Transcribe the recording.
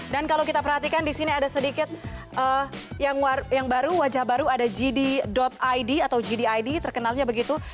dan kalau kita perhatikan di sini ada sedikit yang baru wajah baru ada gd id atau gdid terkenalnya begitu